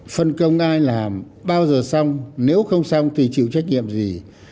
phân công ai làm bao giờ xong nếu không xong thì chịu trách nhiệm gì